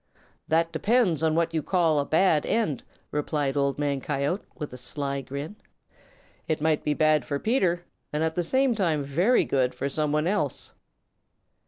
"That depends on what you call a bad end," replied Old Man Coyote with a sly grin. "It might be bad for Peter and at the same time be very good for some one else."